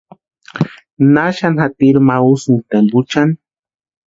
¿Naxani jatiri ma úsïnki tempuchani?